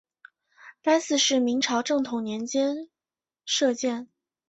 该寺是明朝正统年间敕建。